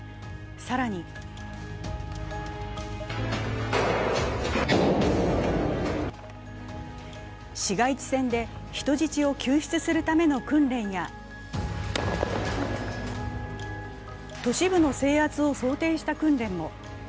更に市街地戦で人質を救出するための訓練や、都市部の制圧を想定した訓練も。